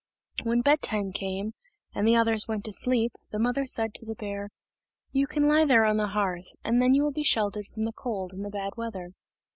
When bedtime came, and the others went to sleep, the mother said to the bear: "You can lie there on the hearth, and then you will be sheltered from the cold and the bad weather."